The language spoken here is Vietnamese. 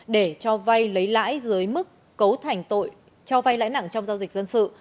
để cho vay lấy lãi dưới mức cấu thành tội cho vay lãi nặng trong giao dịch dân sự